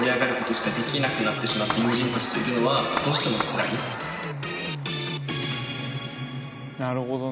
なるほどね。